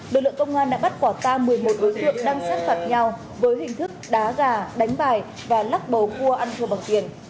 lực lượng công an đã bắt quả tang một mươi một đối tượng đang sát phạt nhau với hình thức đá gà đánh bài và lắc bầu cua ăn thua bằng tiền